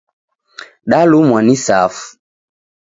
Dalumwa ni safu.